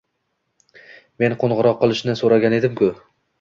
Men qoʻngʻiroq qilishni soʻragan edimku